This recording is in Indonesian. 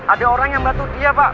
ada orang yang bantu dia pak